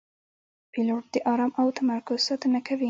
پیلوټ د آرام او تمرکز ساتنه کوي.